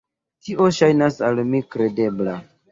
Tio ŝajnas al mi kredebla.